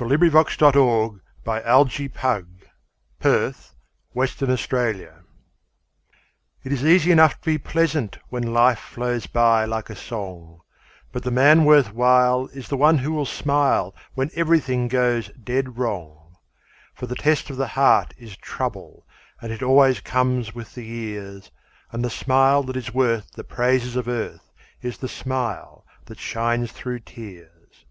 122040Poems of Cheer — Worth while1914Ella Wheeler Wilcox It is easy enough to be pleasant When life flows by like a song, But the man worth while is the one who will smile When everything goes dead wrong. For the test of the heart is trouble, And it always comes with the years, And the smile that is worth the praises of earth Is the smile that shines through tears.